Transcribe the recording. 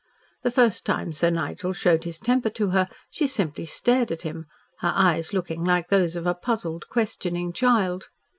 The first time Sir Nigel showed his temper to her she simply stared at him, her eyes looking like those of a puzzled, questioning child.